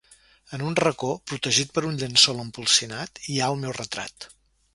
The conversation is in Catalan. En un racó, protegit per un llençol empolsinat, hi ha el meu retrat.